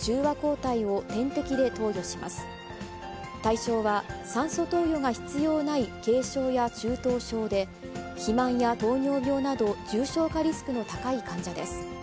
対象は酸素投与が必要ない軽症や中等症で、肥満や糖尿病など、重症化リスクの高い患者です。